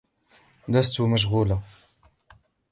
لست مشغولة.